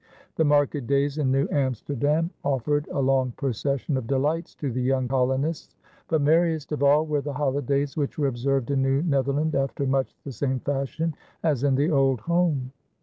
The market days in New Amsterdam offered a long procession of delights to the young colonists. But merriest of all were the holidays which were observed in New Netherland after much the same fashion as in the old home.